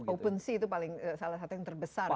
opensea itu paling salah satu yang terbesar ya